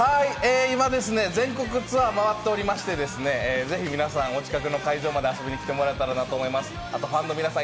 今、全国ツアー回っておりまして、皆さん、お近くの会場まで遊びに来てもらえたらなと思います。